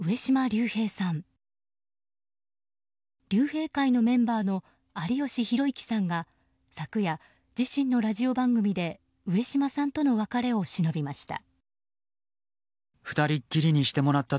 竜兵会のメンバーの有吉弘行さんが昨夜、自身のラジオ番組で上島さんとの別れをしのびました。